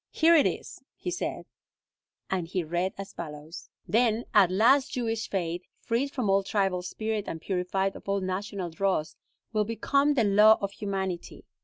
"Here it is," he said, and he read as follows: "Then at last Jewish faith, freed from all tribal spirit and purified of all national dross, will become the law of humanity.